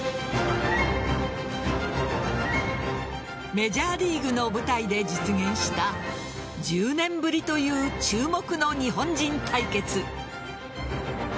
メジャーリーグの舞台で実現した１０年ぶりという注目の日本人対決。